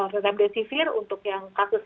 remdesivir untuk kasus